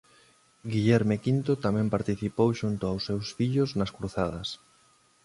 Guillerme V tamén participou xunto aos seus fillos nas Cruzadas.